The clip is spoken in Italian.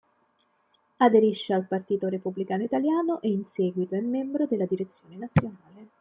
Aderisce al Partito Repubblicano Italiano e, in seguito è membro della direzione nazionale.